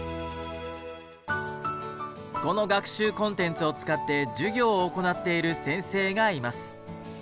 この学習コンテンツを使って授業を行っている先生がいます。